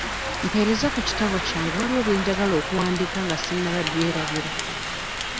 Mpeereza ku kitabo kyange waliwo bye njagala okuwandiika nga sinnaba byerabira.